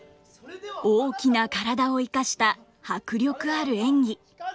大きな体を生かした迫力ある演技。